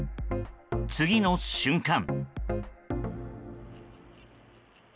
次の瞬間。